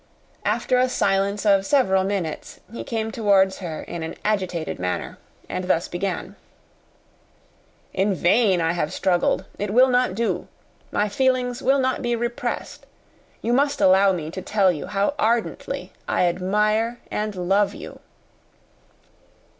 After a silence of several minutes, he came towards her in an agitated manner, and thus began: "In vain have I struggled. It will not do. My feelings will not be repressed. You must allow me to tell you how ardently I admire and love you."